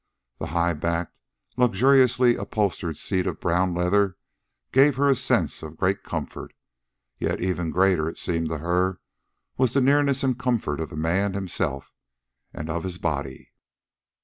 The high backed, luxuriously upholstered seat of brown leather gave her a sense of great comfort; yet even greater, it seemed to her, was the nearness and comfort of the man himself and of his body.